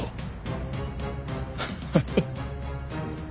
ハハハ。